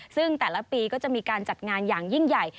ซึ่งแต่ละปีก็จะมีการจัดงานอย่างยิ่งใหญ่